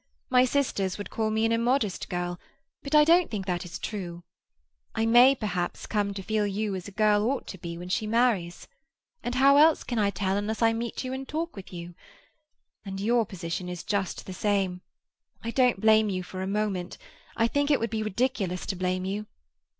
My sisters would call me an immodest girl, but I don't think it is true. I may perhaps come to feel you as a girl ought to when she marries, and how else can I tell unless I meet you and talk with you? And your position is just the same. I don't blame you for a moment; I think it would be ridiculous to blame you.